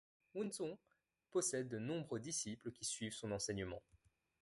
Wuzhun possède de nombreux disciples qui suivent son enseignement.